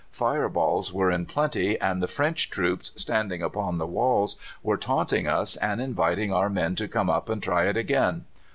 Fire balls were in plenty, and the French troops, standing upon the walls, were taunting us and inviting our men to come up and try it again.